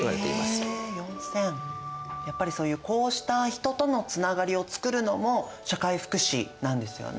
やっぱりそういうこうした人とのつながりをつくるのも社会福祉なんですよね！